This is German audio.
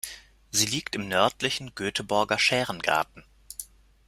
Sie liegt im nördlichen Göteborger Schärengarten.